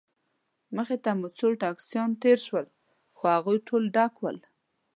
مخې ته مو څو ټکسیان تېر شول، خو هغوی ټول ډک ول.